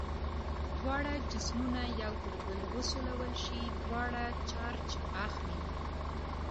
دواړه جسمونه یو پر بل وسولول شي دواړه چارج اخلي.